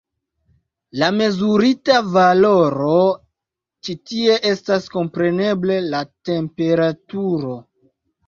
La mezurita valoro ĉi tie estas, kompreneble, la temperaturo.